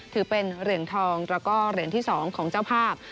ถือเป็นเหรียญทองแล้วก็เหรียญที่๒ของเจ้าภาพ